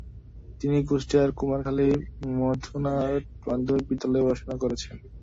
তিনি কুষ্টিয়ার কুমারখালী মথুরানাথ মাধ্যমিক বিদ্যালয়েও পড়াশুনা করেছেন।